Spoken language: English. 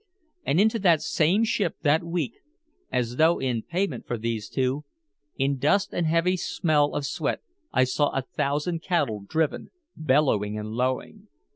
And into the same ship that week, as though in payment for these two, in dust and heavy smell of sweat I saw a thousand cattle driven, bellowing and lowing.